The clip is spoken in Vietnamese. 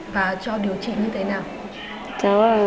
và cho điều trị như thế nào